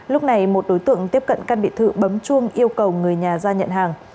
lúc này một đối tượng tiếp cận căn biệt thự bấm chuông yêu cầu người nhà ra nhận hàng